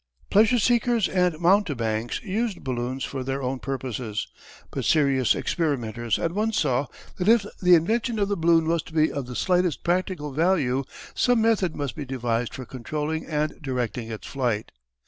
Pleasure seekers and mountebanks used balloons for their own purposes, but serious experimenters at once saw that if the invention of the balloon was to be of the slightest practical value some method must be devised for controlling and directing its flight.